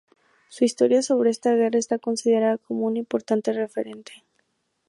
Su historia sobre esta guerra está considerada como un importante referente.